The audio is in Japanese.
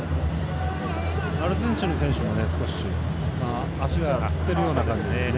アルゼンチンの選手も少し足がつっているような感じですね。